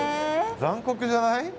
残酷じゃない？